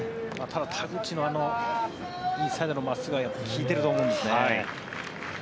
ただ、田口のインサイドの真っすぐはやっぱり効いてると思うんですね。